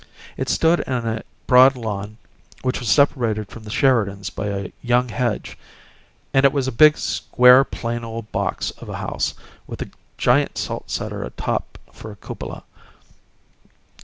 It stood in a broad lawn which was separated from the Sheridans' by a young hedge; and it was a big, square, plain old box of a house with a giant salt cellar atop for a cupola.